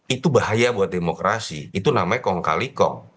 itu bahaya buat demokrasi itu namanya kongkalikom